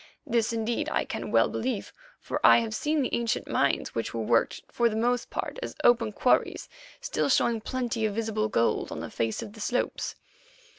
This, indeed, I can well believe, for I have seen the ancient mines which were worked, for the most part as open quarries, still showing plenty of visible gold on the face of the slopes.